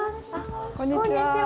こんにちは。